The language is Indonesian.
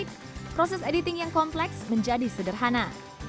masquerade membuat proses editing yang kompleks menjadi sederhana